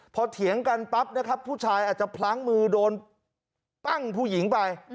พอเถียงกันปั๊บนะครับผู้ชายอาจจะพลั้งมือโดนปั้งผู้หญิงไป